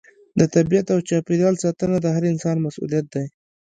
د طبیعت او چاپیریال ساتنه د هر انسان مسؤلیت دی.